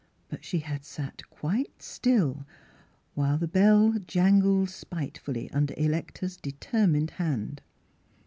But she had sat quite still while the bell jangled spitefully under Electa's deter mined hand.